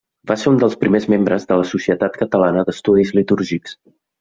Va ser un dels primers membres de la Societat Catalana d'Estudis Litúrgics.